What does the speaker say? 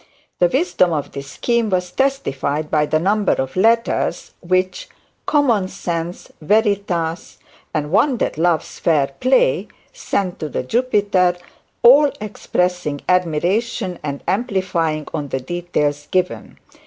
The wisdom of this scheme was testified by the number of letters which "Common Sense", "Veritas", and "One that loves fair play," sent to the Jupiter, all expressing admiration and amplifying on the details given.